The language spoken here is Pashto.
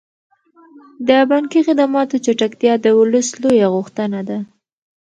د بانکي خدماتو چټکتیا د ولس لویه غوښتنه ده.